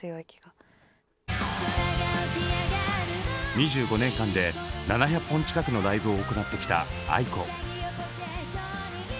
２５年間で７００本近くのライブを行ってきたａｉｋｏ。